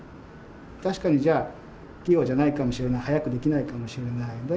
確かにじゃあ器用じゃないかもしれない速くできないかもしれない。